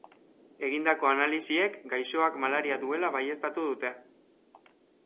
Egindako analisiek gaixoak malaria duela baieztatu dute.